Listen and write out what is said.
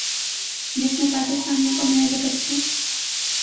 جس میں پاکستانیوں کو محض ایک اچھے